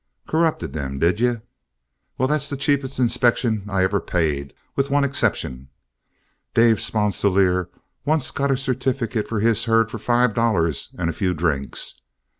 Corrupted them, did you? Well, that's the cheapest inspection I ever paid, with one exception. Dave Sponsilier once got a certificate for his herd for five dollars and a few drinks.